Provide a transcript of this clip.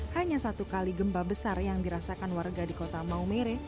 hanya satu kali gempa besar yang dirasakan warga di kota maumere